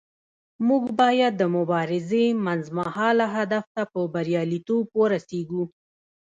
موږ باید د مبارزې منځمهاله هدف ته په بریالیتوب ورسیږو.